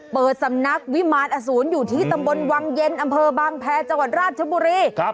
เปิดสำนักวิมารอสูรอยู่ที่ตำบลวังเย็นอำเภอบางแพรจังหวัดราชบุรี